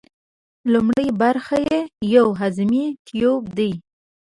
لومړۍ برخه یې یو هضمي تیوپ دی.